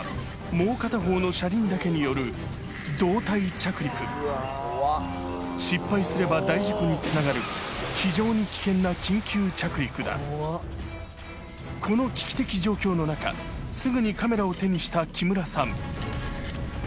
もう片方の車輪だけによる失敗すれば大事故につながる非常にこの危機的状況の中すぐにカメラを手にした木村さん